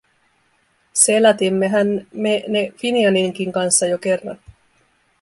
Selätimmehän me ne Finianinkin kanssa jo kerran.